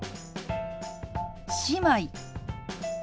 「姉妹」。